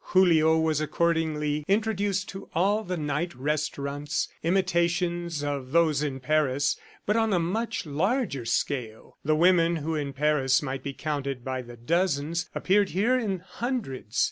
Julio was accordingly introduced to all the night restaurants imitations of those in Paris, but on a much larger scale. The women who in Paris might be counted by the dozens appeared here in hundreds.